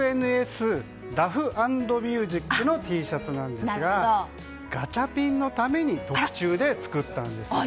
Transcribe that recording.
「ＦＮＳラフ＆ミュージック」のＴシャツなんですがガチャピンのために特注で作ったんですね。